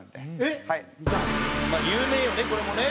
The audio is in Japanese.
「有名よねこれもね」